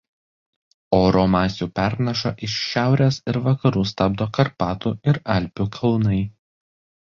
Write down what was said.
Oro masių pernašą iš šiaurės ir vakarų stabdo Karpatų ir Alpių kalnai.